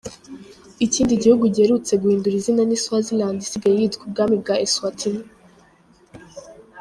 Ikindi gihugu giherutse guhindura izina ni Swaziland isigaye yitwa Ubwami bwa eSwatini.